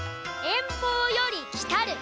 遠方より来たる。